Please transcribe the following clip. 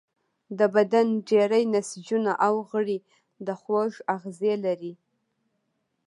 د بدن ډیری نسجونه او غړي د خوږ آخذې لري.